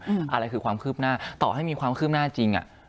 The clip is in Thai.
อะไรคือความคืบหน้าต่อให้มีความคืบหน้าจริงอ่ะ